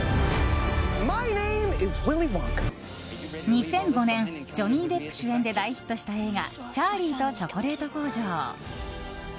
２００５年ジョニー・デップ主演で大ヒットした映画「チャーリーとチョコレート工場」。